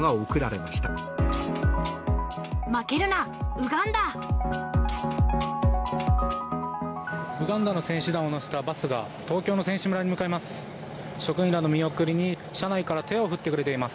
ウガンダの選手団を乗せたバスが東京の選手村に向かいます。